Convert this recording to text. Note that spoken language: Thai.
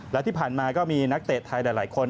และที่ผ่านมาก็มีนักเตะไทยหลายคน